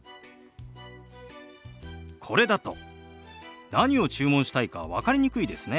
これだと何を注文したいか分かりにくいですね。